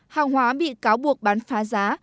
hàng hóa bị cáo buộc bán phá giá